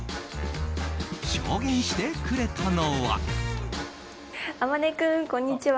証言してくれたのは。